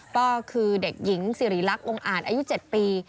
ก็คือเด็กหญิงสิริรักษ์องค์อ่านอายุ๗ปี